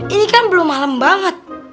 ini kan belum malam banget